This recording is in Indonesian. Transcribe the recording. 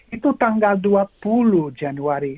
itu tanggal dua puluh januari